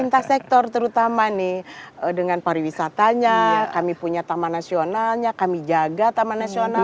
intasektor terutama nih dengan pariwisatanya kami punya taman nasionalnya kami jaga taman nasionalnya